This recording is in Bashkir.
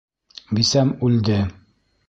Бисәм үлде!